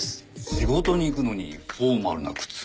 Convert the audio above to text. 仕事に行くのにフォーマルな靴？